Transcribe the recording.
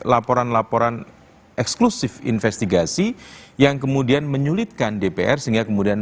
laporan laporan eksklusif investigasi yang kemudian menyulitkan dpr sehingga kemudian